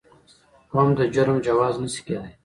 قوم د جرم جواز نه شي کېدای.